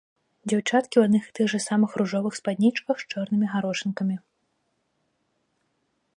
Дзяўчаткі ў адных і тых жа самых ружовых спаднічках з чорнымі гарошынкамі.